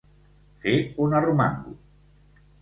Fer un arromango.